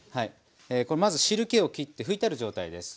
これまず汁けをきって拭いてある状態です。